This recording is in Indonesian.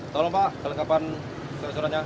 tolong pak kelengkapan surat suratnya